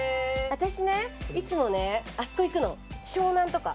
私ねいつもねあそこ行くの湘南とか。